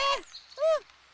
うん！